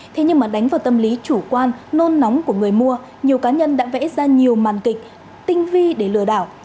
thế nhưng mà đánh vào tâm lý chủ quan nôn nóng của người mua nhiều cá nhân đã vẽ ra nhiều màn kịch tinh vi để lừa đảo